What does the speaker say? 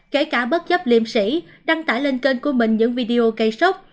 kể cả bất chấp liêm sỉ đăng tải lên kênh của mình những video cây sóc